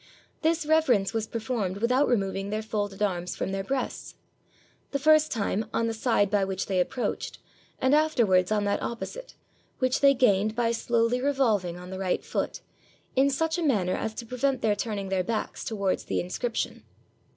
This reverence was per formed without removing their folded arms from their breasts — the first time on the side by which they ap proached, and afterwards on that opposite, which they gained by slowly revolving on the right foot, in such a manner as to prevent their turning their backs towards the inscription.